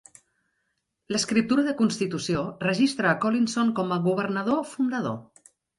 L'escriptura de constitució registra a Collinson com a governador fundador.